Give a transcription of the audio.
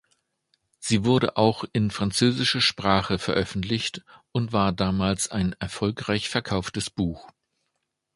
Sie wurde auch in französischer Sprache veröffentlicht und war damals ein erfolgreich verkauftes Buch.